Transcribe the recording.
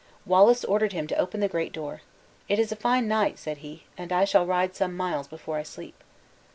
Wallace ordered him to open the great door. "It is a fine night," said he, "and I shall ride some miles before I sleep."